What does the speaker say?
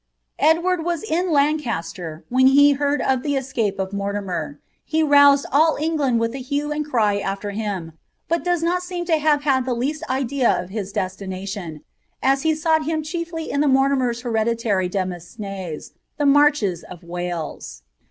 * Edward was in Lancashire when he heard of the escape of Mortimer : he roused all England with a hue and cry aAer him, but does not seem to have had the least idea of his destination, as he sought him chiefly in the Mortimers' hereditary demesnes, the marches of Wales.'